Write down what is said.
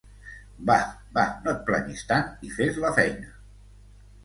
Bah, bah, no et planyis tant i fes la feina!